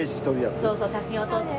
そうそう写真を撮って。